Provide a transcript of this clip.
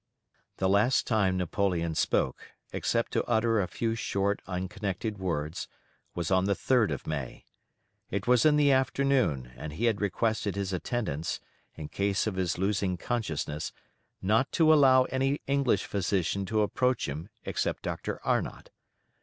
The last time Napoleon spoke, except to utter a few short unconnected words, was on the 3d of May. It was in the afternoon, and he had requested his attendants, in case of his losing consciousness, not to allow any English physician to approach him except Dr. Arnott.